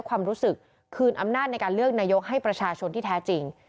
ความรู้สึกคืนอำนาจในการเลือกนายกให้ประชาชนที่แท้จริง